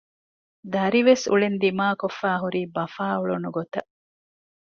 ދަރިވެސް އުޅެން ދިމާކޮށްފައި ހުރީ ބަފާ އުޅުނު ގޮތަށް